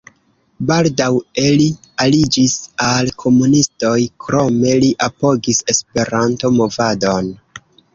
Baldaŭe li aliĝis al komunistoj, krome li apogis Esperanto-movadon.